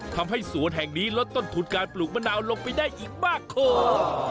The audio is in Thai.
ทำให้สวนแห่งนี้ลดต้นทุนการปลูกมะนาวลงไปได้อีกมากพอ